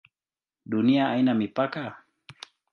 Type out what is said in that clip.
Dunia haina mipaka?